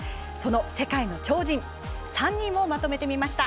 世界の超人３人をまとめてみました。